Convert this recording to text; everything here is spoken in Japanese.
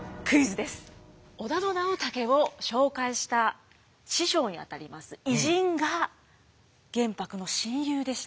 小田野直武を紹介した師匠にあたります偉人が玄白の親友でした。